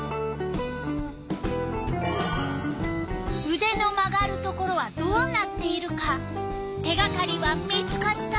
うでの曲がるところはどうなっているか手がかりは見つかった？